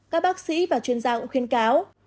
các bác sĩ và chuyên gia cũng khuyên cáo